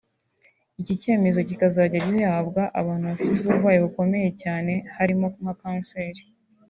Iki cyemezo kikazajya gihabwa abantu bafite uburwayi bukomeye cyane harimo nka Canceri